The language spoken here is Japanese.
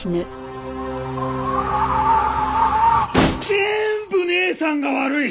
全部姉さんが悪い！